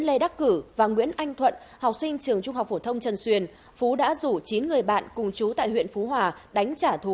hãy đăng ký kênh để ủng hộ kênh của chúng mình nhé